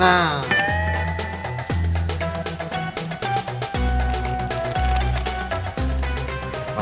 udah saya siapkan